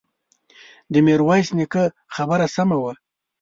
د ميرويس نيکه خبره سمه وه.